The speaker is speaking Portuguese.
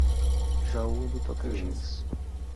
Jaú do Tocantins